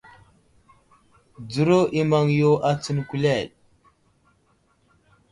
Dzəro i maŋ yo a tsəŋ kuleɗ.